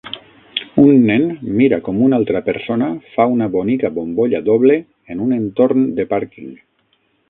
Un nen mira com una altra persona fa una bonica bombolla doble en un entorn de pàrquing.